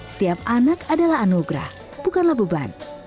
setiap anak adalah anugerah bukanlah beban